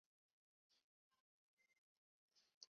栗柄凤尾蕨为凤尾蕨科凤尾蕨属下的一个种。